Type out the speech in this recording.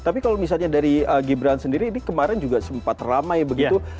tapi kalau misalnya dari gibran sendiri ini kemarin juga sempat ramai begitu